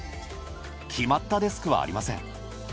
決まったデスクはありません。